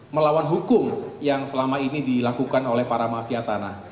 melawan hukum yang selama ini dilakukan oleh para mafia tanah